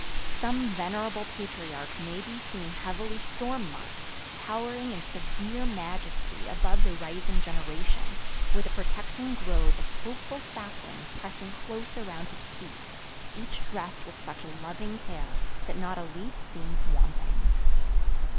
Some venerable patriarch may be seen heavily storm marked, towering in severe majesty above the rising generation, with a protecting grove of hopeful saplings pressing close around his feet, each dressed with such loving care that not a leaf seems wanting.